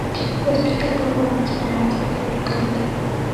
Las piezas sólo fueron exploradas arqueológicamente.